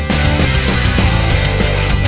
ปรับให้ด้วย